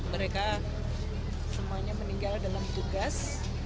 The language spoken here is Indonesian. mereka semuanya meninggal dalam tugas